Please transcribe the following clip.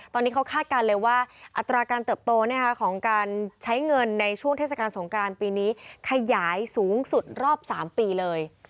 ตอนนี้เขาคาดการณ์เลยว่าอัตราการเติบโตของการใช้เงินในช่วงเทศกาลสงกรานปีนี้ขยายสูงสุดรอบ๓ปีเลย